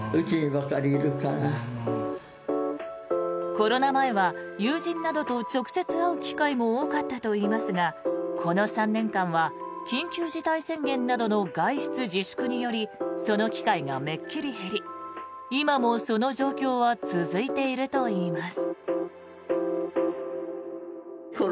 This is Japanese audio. コロナ前は友人などと直接会う機会も多かったといいますがこの３年間は緊急事態宣言などの外出自粛によりその機会がめっきり減り今もその状況は続いているといいます。